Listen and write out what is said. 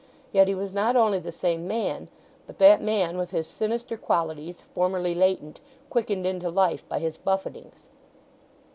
Yet he was not only the same man, but that man with his sinister qualities, formerly latent, quickened into life by his buffetings.